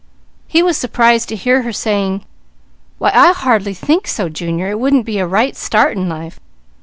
He was surprised to hear her saying: "Why I hardly think so Junior, it wouldn't be a right start in life.